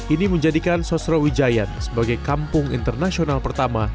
ini menjadikan sosrawijayan sebagai kampung internasional pertama